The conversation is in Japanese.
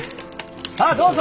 さあどうぞ！